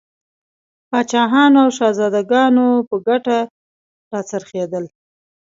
پاچاهانو او شهزادګانو په ګټه را څرخېدل.